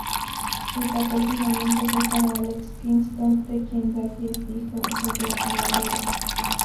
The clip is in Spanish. El papel finalmente fue para Alex Kingston, de quien Davies dijo, "¡Joder, la adoro!".